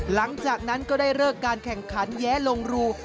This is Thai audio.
หลังจากนั้นก็ได้เลิกการแข่งขันแย้ลงรู